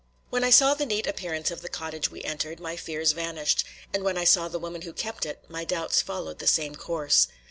When I saw the neat appearance of the cottage we entered, my fears vanished, and when I saw the woman who kept it, my doubts followed the same course.